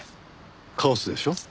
カオスでしょ？